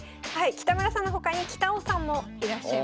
北村さんの他に北尾さんもいらっしゃいます。